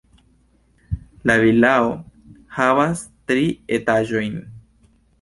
La vilao havas tri etaĝojn.